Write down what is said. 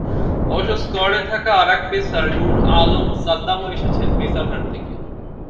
অবশ্য স্কোয়াডে থাকা আরেক পেসার নূর আলম সাদ্দামও এসেছেন পেসার হান্ট থেকে।